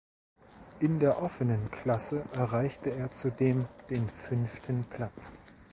In der Offenen Klasse erreichte er zudem den fünften Platz.